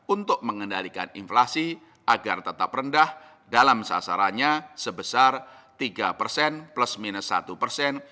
untuk mengendalikan inflasi agar tetap rendah dalam sasarannya sebesar tiga persen plus minus satu persen